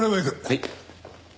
はい。